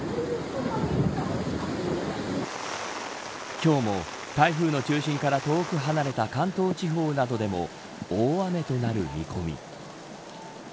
今日も台風の中心から遠く離れた関東地方などでも大雨となる見込み。